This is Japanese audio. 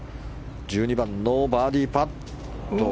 １２番のバーディーパット。